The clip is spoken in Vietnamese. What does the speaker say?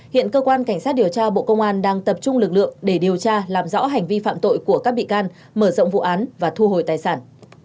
hiện cơ quan cảnh sát điều tra bộ công an đang tập trung lực lượng để điều tra làm rõ hành vi phạm tội của các bị can mở rộng vụ án và thu hồi tài sản